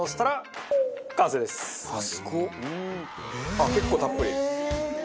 あっ結構たっぷり。